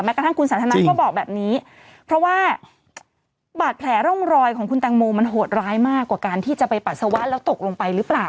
กระทั่งคุณสันทนาก็บอกแบบนี้เพราะว่าบาดแผลร่องรอยของคุณตังโมมันโหดร้ายมากกว่าการที่จะไปปัสสาวะแล้วตกลงไปหรือเปล่า